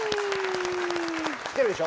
知ってるでしょ？